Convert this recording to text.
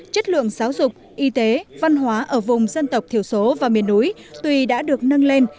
chất lượng giáo dục y tế văn hóa ở vùng dân tộc thiểu số và miền núi tuy đã được nâng lên